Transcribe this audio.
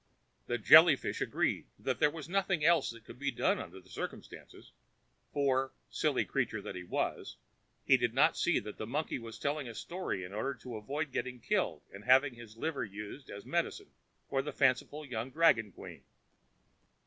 The Jelly fish agreed that there was nothing else to be done under the circumstances; for, silly creature that he was, he did not see that the monkey was telling a story in order to avoid getting killed, and having his liver used as medicine for the fanciful young dragon queen.